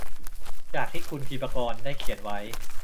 จากที่คุณทีปกรได้เขียนไว้